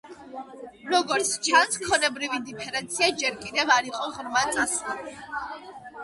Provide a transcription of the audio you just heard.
როგორც ჩანს, ქონებრივი დიფერენცია ჯერ კიდევ არ იყო ღრმად წასული.